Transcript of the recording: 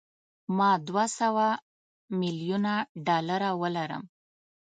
ما دوه سوه میلیونه ډالره ولرم.